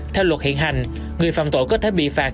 theo luật hiện hành người phạm tội có thể bị phạt